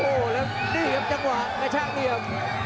โอ้โหแล้วนี่ครับจังหวะในช่างเรียม